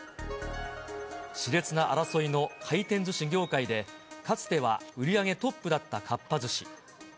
しれつな争いの回転ずし業界で、かつては売り上げトップだったかっぱ寿司。